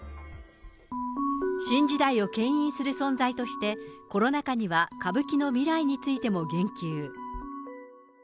新時代をけん引する存在として、コロナ禍には歌舞伎の未来についても言及。